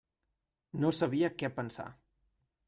No sabia què pensar.